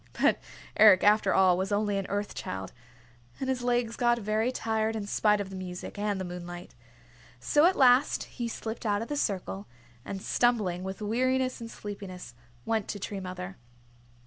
But Eric, after all, was only an Earth Child, and his legs got very tired in spite of the music and the moonlight. So at last he slipped out of the circle, and stumbling with weariness and sleepiness went to Tree Mother.